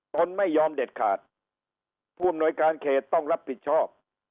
ตนไม่ยอมเด็ดขาดผู้อำนวยการเขตต้องรับผิดชอบ